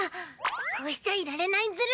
こうしちゃいられないズラ！